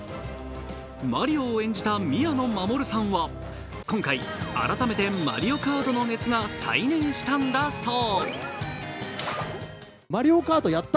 マリオを演じた宮野真守さんは今回、改めて「マリオカート」の熱が再燃したんだそう。